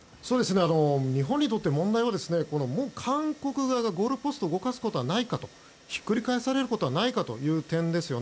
日本にとって問題はもう韓国側がゴールポストを動かすことはないかとひっくり返されることはないのかという点です。